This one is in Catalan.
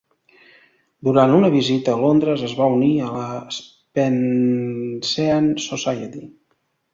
Durant una visita a Londres es va unir a la Spencean Society.